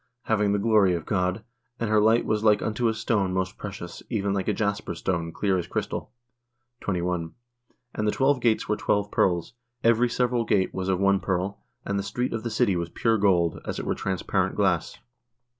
Having the glory of God : and her light was like unto a stone most precious, even like a jasper stone, clear as crystal. " 21. And the twelve gates were twelve pearls ; every several gate was of one pearl : and the street of the city] was pure gold, as it were transparent glass."